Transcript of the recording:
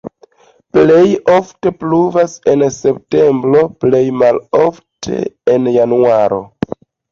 Plej ofte pluvas en septembro, plej malofte en januaro.